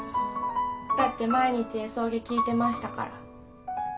だって毎日Ｓオケ聴いてましたから。